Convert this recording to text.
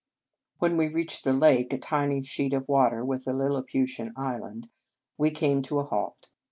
When we reached the lake, a tiny sheet of water with a Lilliputian island, we came to a halt.